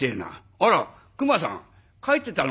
「あら熊さん帰ってたの？」。